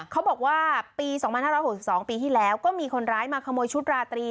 เขาบอกว่าปี๒๕๖๒ปีที่แล้วก็มีคนร้ายมาขโมยชุดราตรี